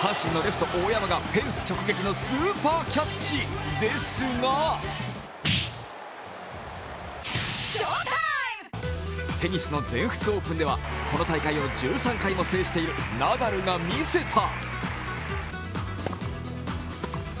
阪神のレフト・大山がフェンス直撃のスーパーキャッチ、ですがテニスの全仏オープンではこの大会を１３回も制しているナダルが見せた！